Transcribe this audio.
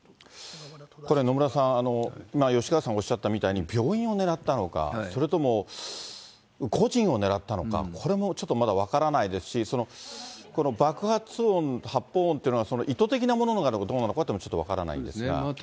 野村さん、今、吉川さんがおっしゃったみたいに病院を狙ったのか、それとも個人を狙ったのか、これもちょっとまだ分からないですし、この爆発音、発砲音というのが意図的なものなのかどうなのかというのもちょっそうですね。